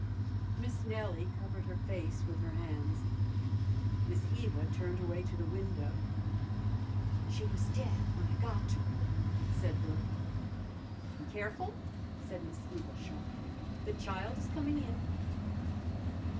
Miss Nellie covered her face with her hands. Miss Eva turned away to the window. "She was dead w'en I got to her," said Bert. "Be careful!" said Miss Eva sharply. "The child is coming in."